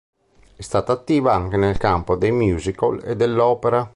È stata attiva anche nel campo dei musical e dell'opera.